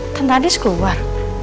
tante andis keluar